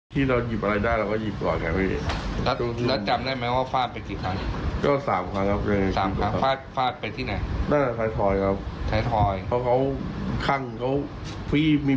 ที่เราหยิบอะไรได้เราก็หยิบถอดไงพี่